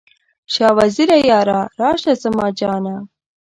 شاه وزیره یاره، راشه زما جانه؟